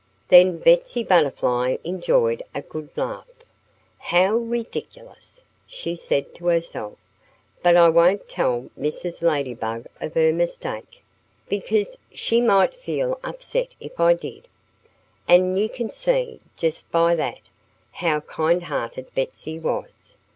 Then Betsy Butterfly enjoyed a good laugh. "How ridiculous!" she said to herself. "But I won't tell Mrs. Ladybug of her mistake, because she might feel upset if I did." And you can see, just by that, how kind hearted Betsy was.